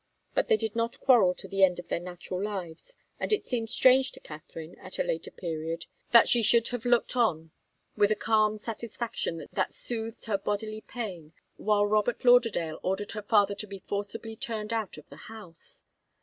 But they did not quarrel to the end of their natural lives, and it seemed strange to Katharine, at a later period, that she should have looked on with a calm satisfaction that soothed her bodily pain while Robert Lauderdale ordered her father to be forcibly turned out of the house.